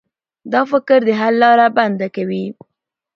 دا فکر د حل لاره بنده کوي.